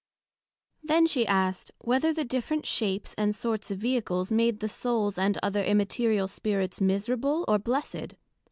Then she asked, Whether the different shapes and sorts of Vehicles, made the Souls and other Immaterial Spirits, miserable, or blessed?